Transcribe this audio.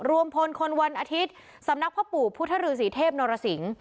รวมพลคนวันอาทิตย์สำนักพ่อปู่พุทธฤษีเทพนรสิง